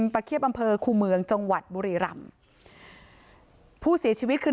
ประเคียบอำเภอคูเมืองจังหวัดบุรีรำผู้เสียชีวิตคือ